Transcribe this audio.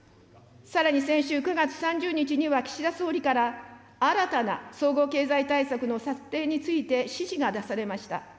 さらに先週９月３０日には、岸田総理から、新たな総合経済対策の策定について指示が出されました。